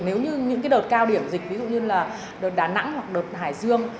nếu như những đợt cao điểm dịch ví dụ như là đợt đà nẵng hoặc đợt hải dương